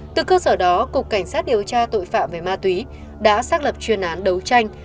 từ cơ sở đó cục cảnh sát điều tra tội phạm về ma túy đã xác lập chuyên án đấu tranh